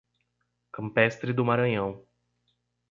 Campestre do Maranhão